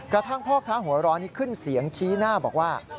กระทั่งพ่อค้าหัวร้อนนี้ขึ้นเสียงชี้หน้าบอกว่า